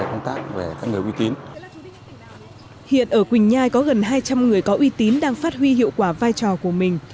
hiện ở quỳnh nhai có gần hai trăm linh người có uy tín đang phát huy hiệu quả vai trò của mình